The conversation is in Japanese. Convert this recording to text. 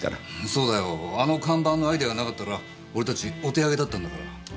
そうだよあの看板のアイデアがなかったら俺たちお手上げだったんだから。